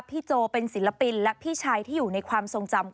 โจเป็นศิลปินและพี่ชายที่อยู่ในความทรงจำ